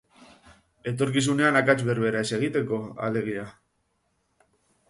Etorkizunean akats berbera ez egiteko, alegia.